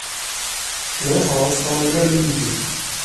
Nruḥ ɣer Usṭralya ilindi.